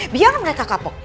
biar mereka kapok